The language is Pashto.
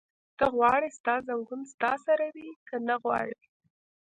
ته غواړې ستا ځنګون ستا سره وي؟ که نه غواړې؟